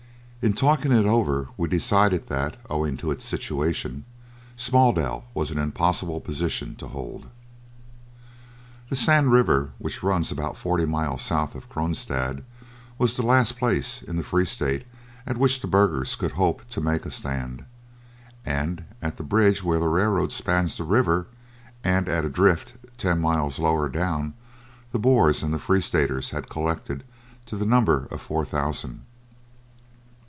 In talking it over we decided that, owing to its situation, Smaaldel was an impossible position to hold. The Sand River, which runs about forty miles south of Kroonstad, was the last place in the Free State at which the burghers could hope to make a stand, and at the bridge where the railroad spans the river, and at a drift ten miles lower down, the Boers and Free Staters had collected to the number of four thousand.